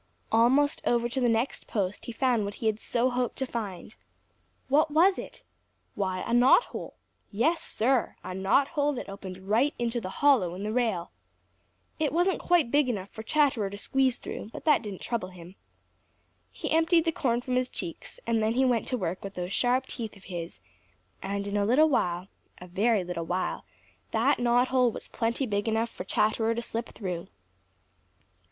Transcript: Almost over to the next post he found what he had so hoped to find. What was it? Why, a knot hole. Yes, Sir, a knot hole that opened right into the hollow in the rail. It wasn't quite big enough for Chatterer to squeeze through, but that didn't trouble him. He emptied the corn from his cheeks and then he went to work with those sharp teeth of his and in a little while, a very little while, that knot hole was plenty big enough for Chatterer to slip through.